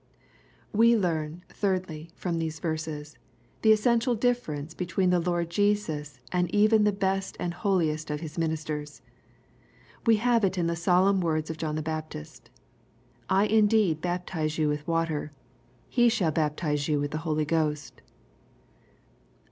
We learn, thirdly, from these verses, the essential dif^ ference between the Lord Jesus and even the best and holiest of His ministers. We have it in the solemn words of John the Baptist :—" I indeed baptize you with water :— He shall baptize you with the Holy Ghost."